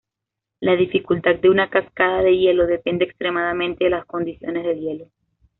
La dificultad de una cascada de hielo depende extremadamente de las condiciones del hielo.